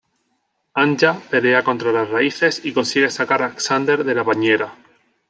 Anya pelea contra las raíces y consigue sacar a Xander de la bañera.